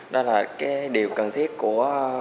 đó là cái điều cần thiết của